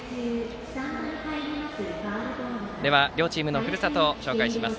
では両チームのふるさとを紹介します。